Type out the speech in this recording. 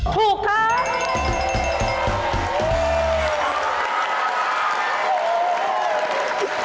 ถูกครับ